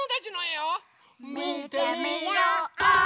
みてみよう！